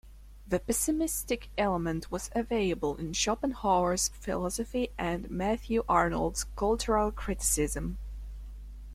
The pessimistic element was available in Schopenhauer's philosophy and Matthew Arnold's cultural criticism.